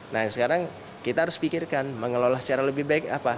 nah sekarang kita harus pikirkan mengelola secara lebih baik apa